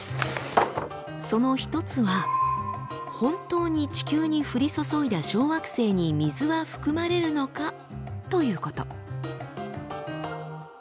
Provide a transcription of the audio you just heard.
その一つは本当に地球に降り注いだ小惑星に水は含まれるのかということ。